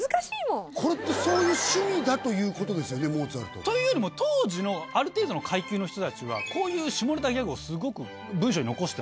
これってそういう趣味だということですよねモーツァルト。というよりも当時のある程度の階級の人たちはこういう下ネタギャグをすごく文章に残してますね。